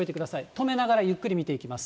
止めながらゆっくり見ていきます。